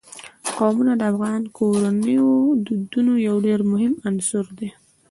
قومونه د افغان کورنیو د دودونو یو ډېر مهم عنصر دی.